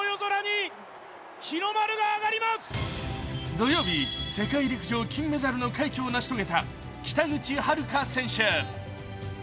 土曜日、世界陸上金メダルの快挙を成し遂げた北口榛花選手。